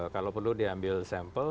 kalau perlu diambil sampel